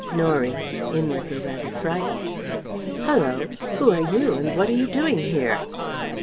Norie (inwardly rather frightened): "Hullo! Who are you and what are you doing here?"